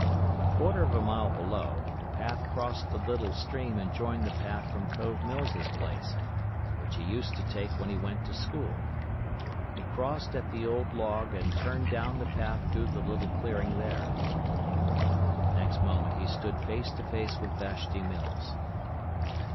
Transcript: A quarter of a mile below the path crossed the little stream and joined the path from Cove Mills's place, which he used to take when he went to school. He crossed at the old log and turned down the path through the little clearing there. The next moment he stood face to face with Vashti Mills.